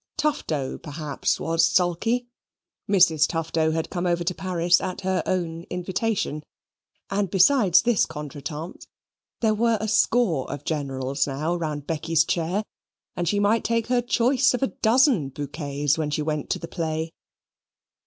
Tufto perhaps was sulky. Mrs. Tufto had come over to Paris at her own invitation, and besides this contretemps, there were a score of generals now round Becky's chair, and she might take her choice of a dozen bouquets when she went to the play.